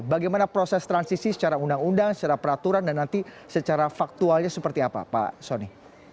bagaimana proses transisi secara undang undang secara peraturan dan nanti secara faktualnya seperti apa pak soni